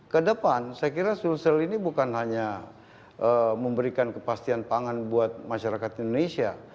kedepan saya kira sulsel ini bukan hanya memberikan kepastian pangan buat masyarakat indonesia